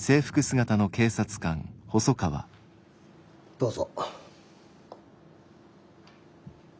どうぞ。